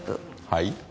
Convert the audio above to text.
はい？